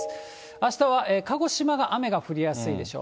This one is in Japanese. あしたは鹿児島が雨が降りやすいでしょう。